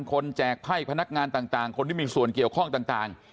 แจกไพ่พนักงานต่างคนที่มีส่วนเกี่ยวข้องต่าง